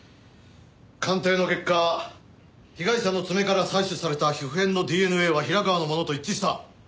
鑑定の結果被害者の爪から採取された皮膚片のＤＮＡは平川のものと一致した。